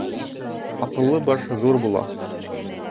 Аҡыллы баш ҙур була.